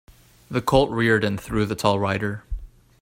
The colt reared and threw the tall rider.